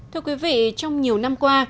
thưa quý vị trong nhiều năm qua